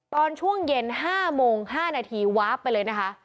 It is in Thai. ตอนช่วงเย็น๕โมง๕นาทีวาบไปเลยนะคะ